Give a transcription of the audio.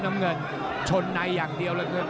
น้ำเงินชนในอย่างเดียวเลย